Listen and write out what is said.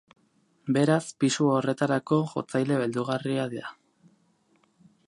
Beraz, pisu horretarako jotzaile beldurgarria da.